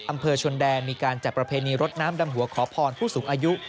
อำเภอชนแดนมีการจัดประเพณีรถน้ำดำหัวขอพรผู้สูงอายุ